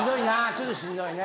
ちょっとしんどいね。